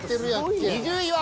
２０位は。